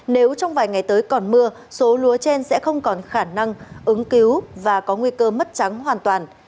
nếu trong vài ngày tới còn mưa số lúa trên sẽ không còn khả năng ứng cứu và có nguy cơ mất trắng hoàn toàn